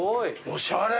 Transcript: おしゃれ。